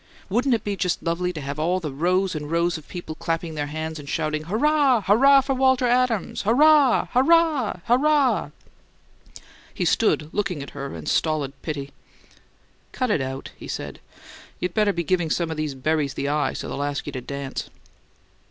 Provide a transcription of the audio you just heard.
Wouldn't it be just lovely to have all the rows and rows of people clapping their hands and shouting, 'Hurrah! Hurrah, for Walter Adams! Hurrah! Hurrah! Hurrah!" He stood looking at her in stolid pity. "Cut it out," he said. "You better be givin' some of these berries the eye so they'll ask you to dance."